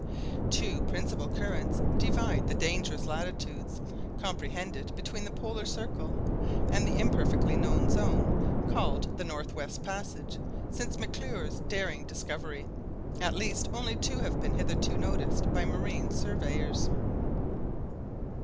Two principal currents divide the dangerous latitudes comprehended between the Polar Circle and the imperfectly known zone, called the North West Passage since McClure's daring discovery—at least only two have been hitherto noticed by marine surveyors.